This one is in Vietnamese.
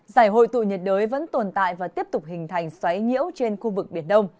giải hội tụ nhiệt đới vẫn tồn tại và tiếp tục hình thành xoáy nhiễu trên khu vực biển đông